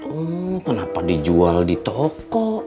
hmm kenapa dijual di toko